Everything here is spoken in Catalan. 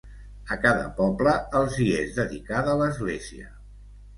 A cada poble els hi és dedicada l'església.